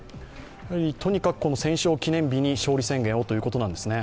とにかく戦勝記念日に勝利宣言をということなんですね。